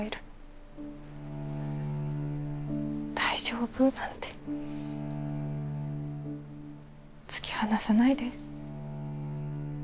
大丈夫なんて突き放さないで。